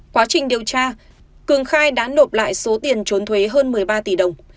quá trình điều tra cường khai đã nộp lại số tiền trốn thuế hơn một mươi ba tỷ đồng